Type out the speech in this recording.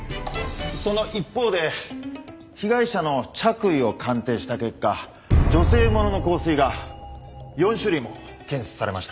その一方で被害者の着衣を鑑定した結果女性ものの香水が４種類も検出されました。